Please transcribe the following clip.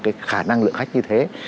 cái khả năng lượng khách như thế